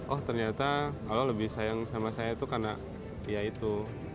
oh ternyata allah lebih sayang sama saya itu karena ya itu